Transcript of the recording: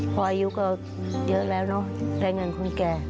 พออายุก็เยอะแล้วเนอะได้เงินคนแก่